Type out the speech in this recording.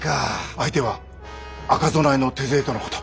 相手は赤備えの手勢とのこと。